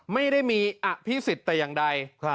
ไม่ได้มีอภิษฎแต่อย่างใด